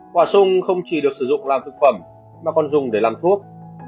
quả sung không chỉ được sử dụng làm thực phẩm mà còn dùng để làm thuốc